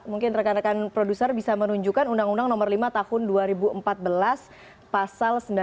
mungkin rekan rekan produser bisa menunjukkan undang undang nomor lima tahun dua ribu empat belas pasal sembilan puluh